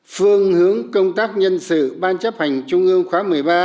phương hướng công tác nhân sự ban chấp hành trung ương khóa một mươi ba